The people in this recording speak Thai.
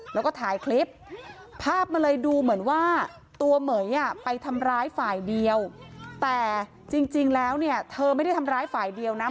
แล้วก็ถ่ายคลิปภาพมันเลยดูเหมือนว่าตัวเหม๋ยไปทำร้ายฝ่ายเดียวแต่จริงแล้วเนี่ยเธอไม่ได้ทำร้ายฝ่ายเดียวนะ